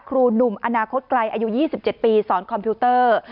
ครูหนุ่มอนาคตไกลอายุ๒๗ปีสอนคอมพิวเตอร์